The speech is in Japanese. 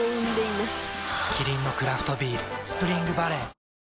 キリンのクラフトビール「スプリングバレー」